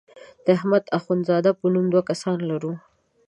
د احمد اخوند زاده په نوم دوه کسان لرو.